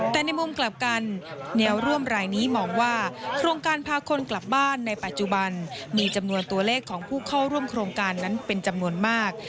แต่ในมุมกลับกันแนวร่วมรายนี้มองว่าโครงการพาคนกลับบ้านในปัจจุบันมีจำนวนตัวเลขของผู้เข้าร่วมโครงการนั้นเป็นจำนวนมาก